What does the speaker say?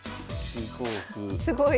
すごい。